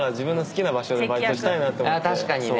確かにね。